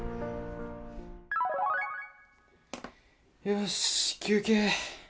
よし休憩。